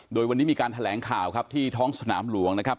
โดยวันนี้มีการแถลงข่าวครับที่ท้องสนามหลวงนะครับ